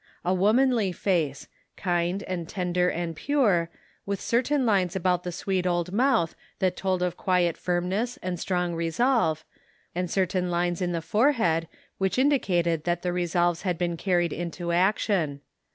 A womanly face ; kind and tender and pure, with certain lines about the sweet old mouth that told of quiet firmness and strong resolve, and certain lines in the forehead which indicated that the re solves had been carried into action.